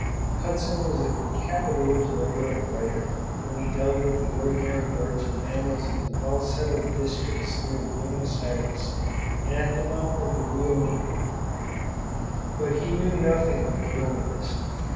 Hudson was a capital observer and writer when he dealt with the ordinary birds and mammals of the well settled districts near Buenos Aires and at the mouth of the Rio Negro; but he knew nothing of the wilderness.